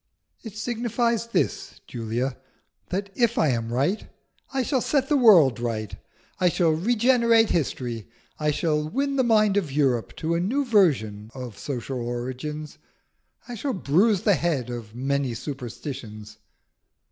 "It signifies this, Julia, that if I am right I shall set the world right; I shall regenerate history; I shall win the mind of Europe to a new view of social origins; I shall bruise the head of many superstitions."